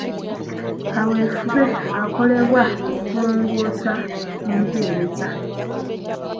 Kaweefube akolebwa okulongoosa mu mpereza.